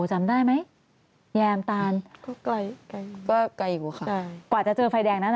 จำได้ไหมแยมตาลก็ไกลก็ไกลกว่าค่ะกว่าจะเจอไฟแดงนั้น